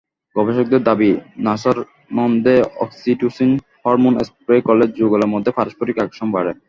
গবেষকেদের দাবি, নাসারন্ধ্রে oxytocin hormone spray করলে যুগলের মধ্যে পারস্পরিক আকর্ষণ বাড়ে।